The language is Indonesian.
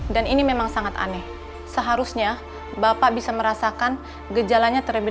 dan ini memang sangat aneh seharusnya bapak bisa merasakan gejalanya terlebih